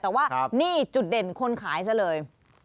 แต่ว่านี่จุดเด่นคนขายซะเลย